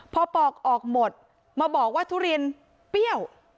พอปอกออกหมดมาบอกว่าทุเรียนเปรี้ยว